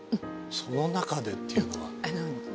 その中でっていうのは？